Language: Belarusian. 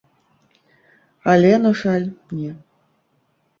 Але, на жаль, не.